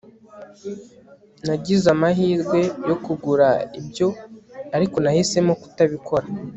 Nagize amahirwe yo kugura ibyo ariko nahisemo kutabikora